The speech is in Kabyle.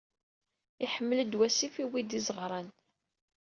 Iḥmel-s wasif, yuwi-d izeɣran.